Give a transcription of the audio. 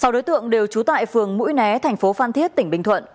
sáu đối tượng đều trú tại phường mũi né thành phố phan thiết tỉnh bình thuận